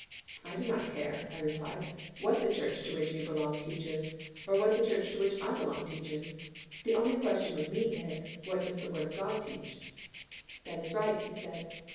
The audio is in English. "I do not care," I replied, "what the church to which you belong teaches, or what the church to which I belong teaches. The only question with me is, What does the Word of God teach?" "That is right," he said.